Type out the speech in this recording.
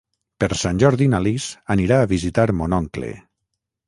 Per Sant Jordi na Lis anirà a visitar mon oncle.